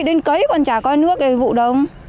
đến cấy còn chả có nước để vụ đông